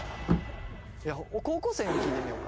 高校生にも聞いてみようか。